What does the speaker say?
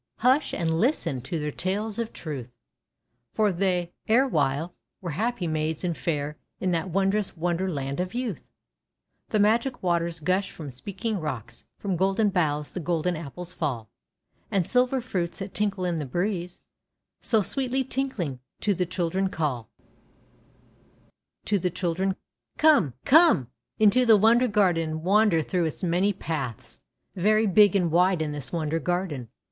hush and listen to their tales of truth, For they, erewhile, were happy Maids and fair, In that wondrous Wonder Land of Youth /" The Magic Waters gush from Speaking Rocks, From Golden Boughs the Golden Apples fall9 A.nd Silver Fruits, that tinkle in the breeze, So sweetly tinkling, to the Children call. PROPERTY OF THE PlTV OF KlFUV VOPtf TO THE CHILDREN COME! COME! INTO THIS WONDER GARDEN AND WANDER THROUGH ITS MANY PATHS VERY big and wide is this Wonder Garden.